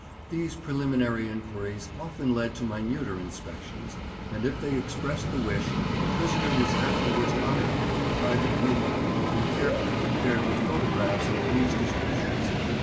These preliminary enquiries often led to minuter inspections; and if they expressed the wish, a prisoner was afterwards honoured by a private view, and carefully compared with photographs and police descriptions.